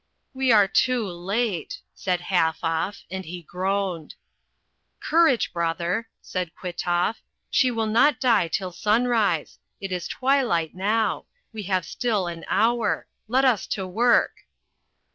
"We are too late," said Halfoff, and he groaned. "Courage, brother," said Kwitoff. "She will not die till sunrise. It is twilight now. We have still an hour. Let us to work."